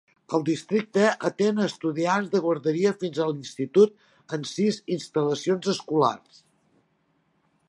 El districte atén a estudiants de guarderia fins a l'institut en sis instal·lacions escolars.